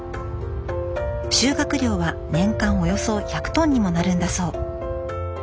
収穫量は年間およそ１００トンにもなるんだそう。